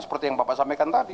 seperti yang bapak sampaikan tadi